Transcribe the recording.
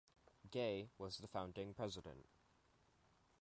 Gay was the founding president.